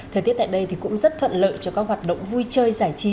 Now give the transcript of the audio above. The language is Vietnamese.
thời tiết tại đây thì cũng rất thuận lợi cho các hoạt động vui chơi giải trí